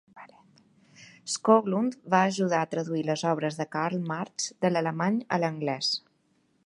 Skoglund va ajudar a traduir les obres de Karl Marx de l'alemany a l'anglès.